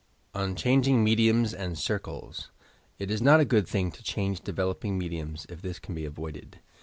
ON CHANGING UEDIUMS AND CDtCLES It is not a good thing to change developing mediums, if this can be avoided.